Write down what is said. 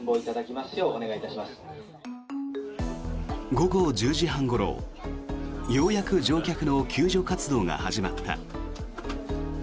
午後１０時半ごろようやく乗客の救助活動が始まった。